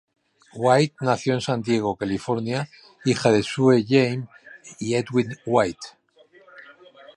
White nació en San Diego, California, hija de Sue Jane y Edwin White.